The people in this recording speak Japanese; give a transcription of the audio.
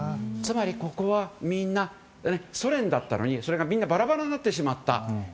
つまり、ここはみんなソ連だったのにそれがみんなバラバラになってしまった。